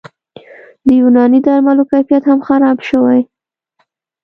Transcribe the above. د یوناني درملو کیفیت هم خراب شوی